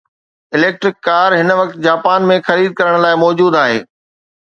electric car هن وقت Japan ۾ خريد ڪرڻ لاءِ موجود آهي